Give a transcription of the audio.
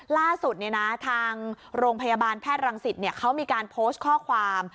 ล่าสุดทางโรงพยาบาลแพทย์รังสิตเขามีการโพสต์ข้อความ